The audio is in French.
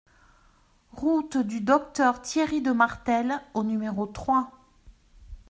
Route du Docteur Thierry de Martel au numéro trois